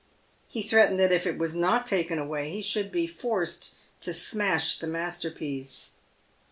He threatened that if it was not taken away he should be forced to smash the masterpiece.